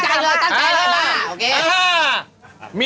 จัดบ้าเหรอ